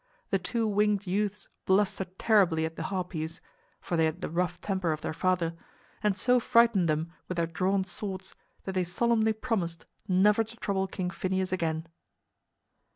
The two winged youths blustered terribly at the Harpies (for they had the rough temper of their father), and so frightened them with their drawn swords that they solemnly promised never to trouble King Phineus again.